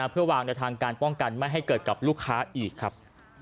เพื่อวางแนวทางการป้องกันไม่ให้เกิดกับลูกค้าอีกครับ